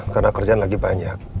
karena kerjaan lagi banyak